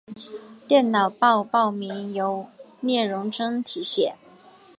电脑报报名由聂荣臻题写。